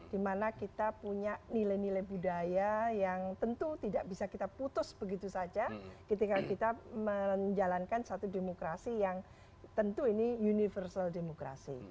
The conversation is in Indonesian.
dimana kita punya nilai nilai budaya yang tentu tidak bisa kita putus begitu saja ketika kita menjalankan satu demokrasi yang tentu ini universal demokrasi